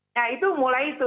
nah itu mulai itu